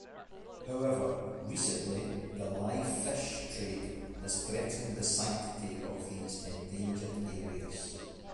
However, recently the live fish trade has threatened the sanctity of these endangered areas.